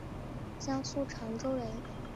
江苏长洲人。